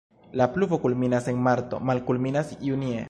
La pluvo kulminas en marto, malkulminas junie.